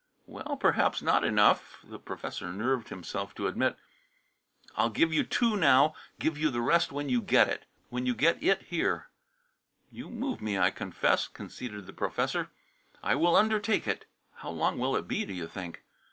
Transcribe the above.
"Well, perhaps not enough," the professor nerved himself to admit. "I'll give you two, now. Give you the rest when you get when you get It here." "You move me, I confess," conceded the professor. "I will undertake it." "How long will it be, do you think?"